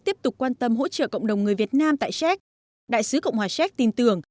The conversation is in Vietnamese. tiếp tục quan tâm hỗ trợ cộng đồng người việt nam tại séc đại sứ cộng hòa séc tin tưởng